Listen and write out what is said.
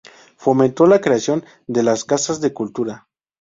Fomentó la creación de las Casas de la Cultura.